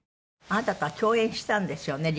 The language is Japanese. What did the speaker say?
あなたとは共演したんですよね？